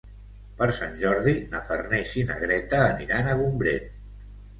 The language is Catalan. Per Sant Jordi na Farners i na Greta aniran a Gombrèn.